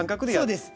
そうです。